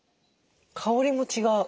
香りも違う。